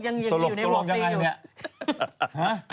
ยังอยู่ในโหกตีอยู่